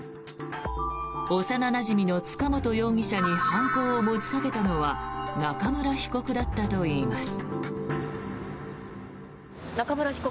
幼なじみの塚本容疑者に犯行を持ちかけたのは中村被告だったといいます。